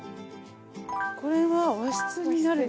これは和室になるんだ。